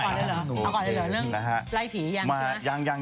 เรื่องไล่ผียังใช่มั้ย